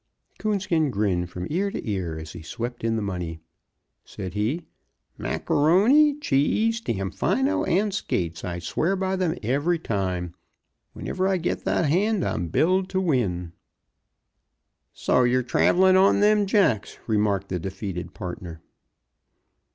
Coonskin grinned from ear to ear as he swept in the money. Said he, "Mac A'Rony, Cheese, Damfino and Skates I swear by them every time. Whenever I get that hand I'm billed to win." "So yer travelin' on them jacks," remarked the defeated partner.